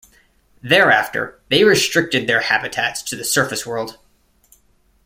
Thereafter, they restricted their habitats to the surface world.